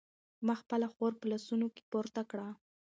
ما خپله خور په لاسونو کې پورته کړه.